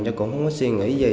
chứ cũng không có suy nghĩ gì